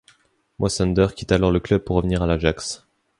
Moisander quitte alors le club pour revenir à l'Ajax.